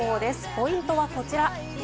ポイントはこちら。